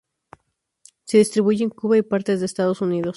Se distribuye en Cuba y partes de Estados Unidos.